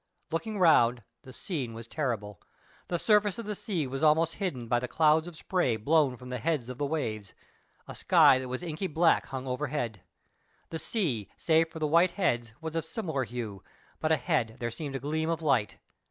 Looking round, the scene was terrible. The surface of the sea was almost hidden by the clouds of spray blown from the heads of the waves; a sky that was inky black hung overhead. The sea, save for the white heads, was of similar hue, but ahead there seemed a gleam of light.